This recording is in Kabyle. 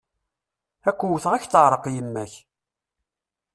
Ad k-wwteɣ, ad ak-teεreq yemma-k!